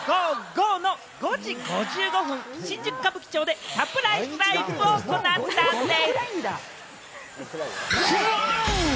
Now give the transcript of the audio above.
きのうの夕方、ゴーゴーゴー！の５時５５分、新宿歌舞伎町でサプライズライブを行ったんでぃす。